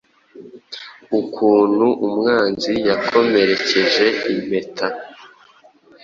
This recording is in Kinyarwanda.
Ukuntu umwanzi yakomerekeje impeta